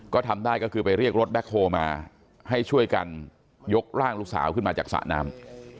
ก็ทำได้ก็คือไปเรียกรถแบ็คโฮลมาให้ช่วยกันยกร่างลูกสาวขึ้นมาจากสระน้ำ